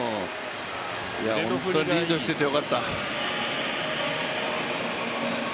本当にリードしててよかった。